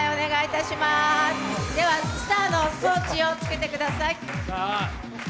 スターの装置をつけてください。